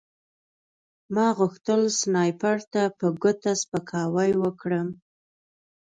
ما غوښتل سنایپر ته په ګوته سپکاوی وکړم